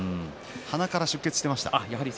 鼻から出血をしていました。